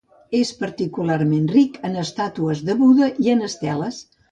És particularment ric en estàtues de Buda i en esteles.